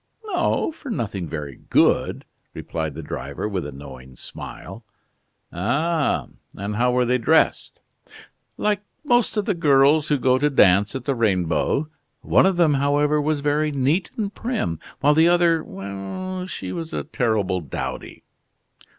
"Oh, for nothing very good!" replied the driver, with a knowing smile. "Ah! and how were they dressed?" "Like most of the girls who go to dance at the Rainbow. One of them, however, was very neat and prim, while the other well! she was a terrible dowdy."